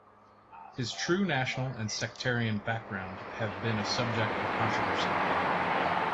His true national and sectarian background have been a subject of controversy.